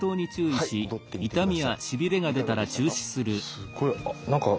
すごい何か。